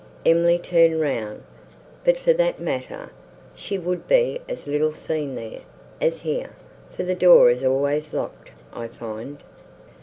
Emily turned round. "But for that matter, she would be as little seen there, as here, for the door is always locked, I find."